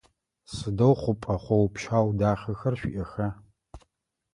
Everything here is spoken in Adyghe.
Сыдэу хъупӏэ хъоу-пщау дахэхэр шъуиӏэха?